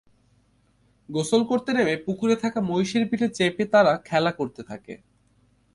গোসল করতে নেমে পুকুরে থাকা মহিষের পিঠে চেপে তারা খেলা করতে থাকে।